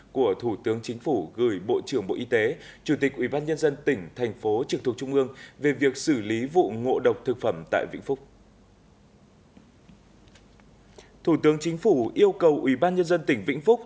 của thủ tướng chính phủ gửi bộ trưởng bộ y tế chủ tịch ủy ban nhân dân tỉnh thành phố trực thuộc trung ương về việc xử lý vụ ngộ độc thực phẩm tại vĩnh phúc